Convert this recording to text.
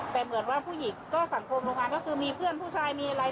แต่เหมือนว่าผู้หญิงก็สังคมโรงงานก็คือมีเพื่อนผู้ชายมีอะไร